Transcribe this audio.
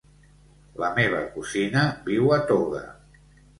La meva cosina viu a Toga.